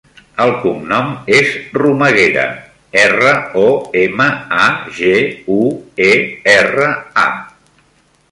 El cognom és Romaguera: erra, o, ema, a, ge, u, e, erra, a.